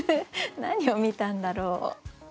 何を見たんだろう。